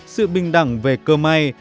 sự bình đẳng về cơ may